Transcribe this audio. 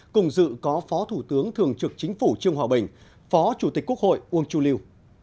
cùng dự có phó thủ tướng thường trực chính phủ trương hòa bình phó chủ tịch quốc hội uông chu liêu